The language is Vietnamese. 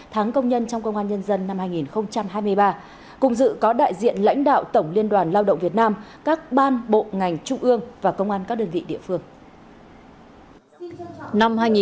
tháng công nhân trong công an nhân dân năm hai nghìn hai mươi ba cùng dự có đại diện lãnh đạo tổng liên đoàn lao động việt nam các ban bộ ngành trung ương và công an các đơn vị địa phương